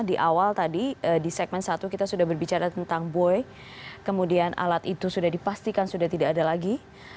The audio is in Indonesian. di awal tadi di segmen satu kita sudah berbicara tentang buoy kemudian alat itu sudah dipastikan sudah tidak ada lagi